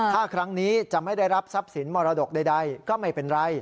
ถ้าครั้งนี้จะไม่ได้รับทรัพย์สินมรดกใดก็ไม่เป็นไร